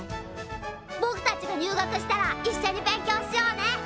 ぼくたちが入学したらいっしょに勉強しようね！